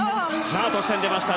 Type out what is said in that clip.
得点が出ました。